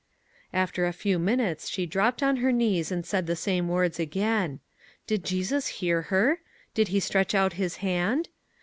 After a few minutes she dropped on her knees and said the same words again. Did Jesus hear her? Did he stretch out his hand?